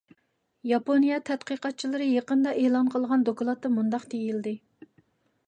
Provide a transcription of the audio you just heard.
ياپونىيە تەتقىقاتچىلىرى يېقىندا ئېلان قىلغان دوكلاتتا مۇنداق دېيىلدى.